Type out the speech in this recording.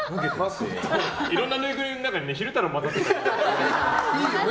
いろんなぬいぐるみの中に昼太郎が交ざっててね。